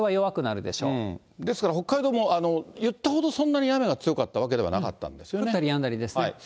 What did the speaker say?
ですから北海道も、言ったほど、そんなに雨が強かったわけじゃなかったんですよね。